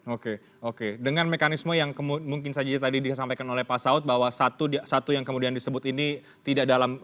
oke oke dengan mekanisme yang mungkin saja tadi disampaikan oleh pak saud bahwa satu yang kemudian disebut ini tidak dalam